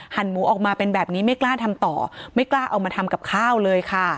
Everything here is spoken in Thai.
หมูออกมาเป็นแบบนี้ไม่กล้าทำต่อไม่กล้าเอามาทำกับข้าวเลยค่ะ